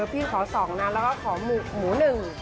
พี่ขอ๒นะแล้วก็ขอหมู๑